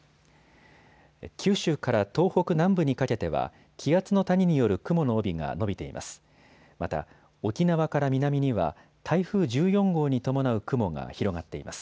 九州から東北南部にかけては気圧の谷による雲の帯が延びています。